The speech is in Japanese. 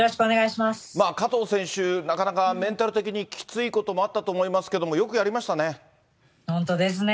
加藤選手、なかなかメンタル的にきついこともあったと思いますけれども、よ本当ですね。